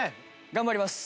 頑張ります！